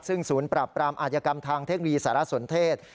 ซึ่งศูนย์ปรับปรามอาธิกรรมทางเทคโนโลยีสารสนเทศ